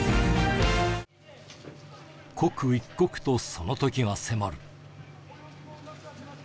刻一刻とそのときが迫る。